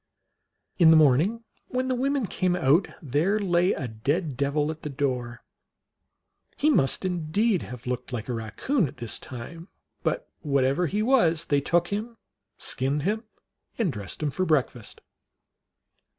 In the morning, when the women came out, there lay a dead devil at the door. He must indeed have looked like a Eaccoon this time ; but whatever he was, they took him, skinned him, and dressed him for breakfast.